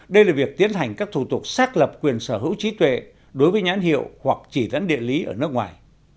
đây là việc tiến hành các thủ tục xác lập quyền sở hữu trí tuệ đối với nhãn hiệu hoặc chỉ dẫn địa lý ở nước ngoài